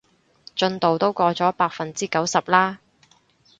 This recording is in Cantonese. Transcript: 進度都過咗百分之九十啦